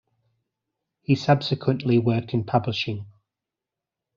He subsequently worked in publishing.